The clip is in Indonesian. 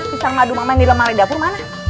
disana adu mama yang di lemari dapur mana